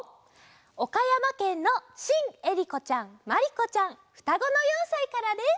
おかやまけんのしんえりこちゃんまりこちゃんふたごの４さいからです。